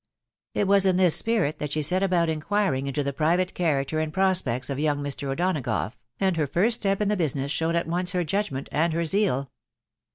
It was in this spirit that she set 'about inquiring into the private character and prospects of young Mr. Oltanagough, *rnd her first step in the business showed at once her judgment and her seal.